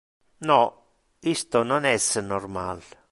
No, isto non es normal.